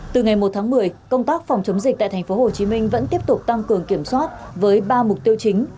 từ ngày một tháng một mươi công tác phòng chống dịch tại thành phố hồ chí minh vẫn tiếp tục tăng cường kiểm soát với ba mục tiêu chính